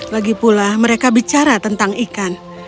lagipula mereka bicara tentang ikan